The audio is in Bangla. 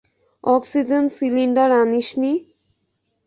Oxygen cylinder আনিসনি?